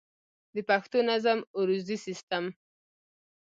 د پښتو نظم عروضي سيسټم